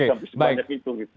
sampai sebanyak itu gitu